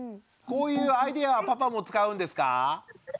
こういうアイデアはパパも使うんですか？